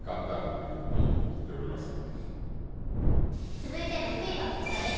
続いて６位はこちらです。